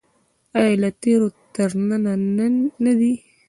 آیا له تیرو تر ننه نه دی؟